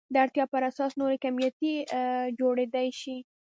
د اړتیا پر اساس نورې کمیټې جوړېدای شي.